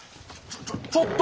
ちょちょっと！